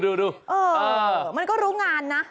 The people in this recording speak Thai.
ดูเออมันก็รู้งานนะ